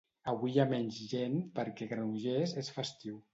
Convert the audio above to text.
Avui hi ha menys gent perquè a Granollers és festiu